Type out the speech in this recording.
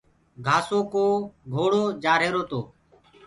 گھآسو ڪو گھوڙو جآ رهرو تو۔